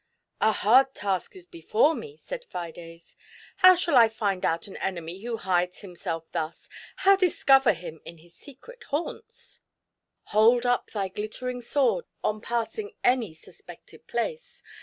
"A hard task is before me," said Fidea " How shall I jSnd out an enemy who hides himself thus— how dis cover him in his secret haunts ?"" Hold up thy guttering sword on passing any sus pected place.